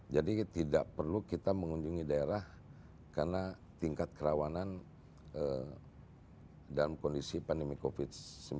jadi tidak perlu kita mengunjungi daerah karena tingkat kerawanan dalam kondisi pandemi covid sembilan belas